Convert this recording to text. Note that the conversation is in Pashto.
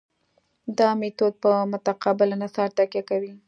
دا میتود په متقابل انحصار تکیه کوي